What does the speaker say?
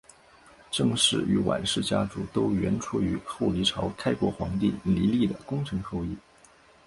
郑氏与阮氏家族都源出于后黎朝开国皇帝黎利的功臣后裔。